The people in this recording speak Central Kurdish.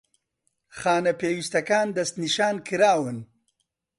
خانە پێویستەکان دەستنیشانکراون